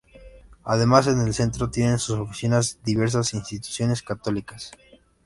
Además, en el centro tienen sus oficinas diversas instituciones católicas.